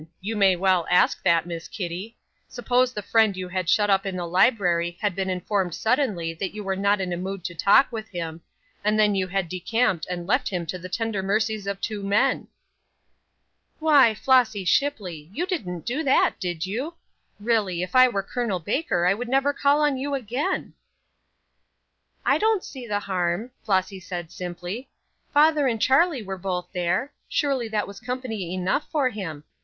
You may well ask what, Miss Kitty. Suppose the friend you had shut up in the library had been informed suddenly that you were not in a mood to talk with him, and then you had decamped and left him to the tender mercies of two men?" "Why, Flossy Shipley! you didn't do that, did you? Really, if I were Col. Baker I would never call on you again." "I don't see the harm," Flossy said, simply. "Father and Charlie were both there. Surely that was company enough for him.